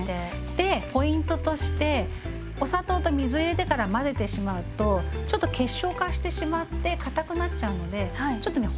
でポイントとしてお砂糖と水を入れてから混ぜてしまうとちょっと結晶化してしまってかたくなっちゃうのでちょっとね